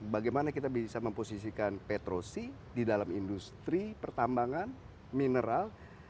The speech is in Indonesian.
bagaimana kita bisa memposisikan petrosi di dalam industri pertambangan mineral